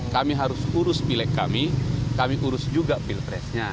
kami harus urus pilek kami kami urus juga pilpresnya